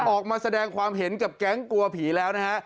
ออกมาแสดงความเห็นกับแก๊งกลัวผีแล้วนะฮะ